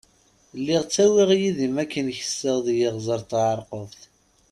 Lliɣ ttawiɣ yid-i n makken kesseɣ deg Iɣzeṛ Tɛerqubt.